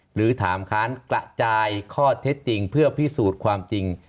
หรือถามค้านกระจายข้อเท็จจริงเพื่อพิสูจน์ความจริง